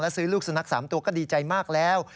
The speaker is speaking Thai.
ซื้อลูกสุนัข๓ตัวก็ดีใจมากแล้ว